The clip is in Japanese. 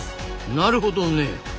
なるほどね！